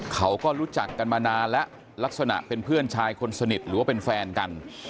เขาก็รู้จักกันมานานแล้วลักษณะเป็นเพื่อนชายคนสนิทหรือว่าเป็นแฟนกัน